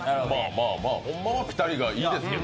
ほんまはピタリがいいですけど。